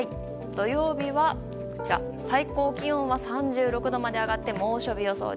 土曜日は最高気温は３６度まで上がって猛暑日予想。